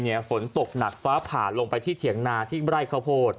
ฝนตกหนักฟ้าผ่าลงไปที่เถียงนาที่ไร่ข้าวโพด